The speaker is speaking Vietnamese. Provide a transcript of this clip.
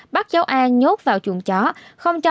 bắt cháu a nhốt vào chuồng chó